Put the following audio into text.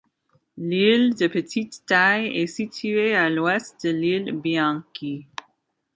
L'île, de petite taille, est située à l’ouest de l'île Bianki.